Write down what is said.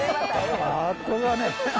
あとがね。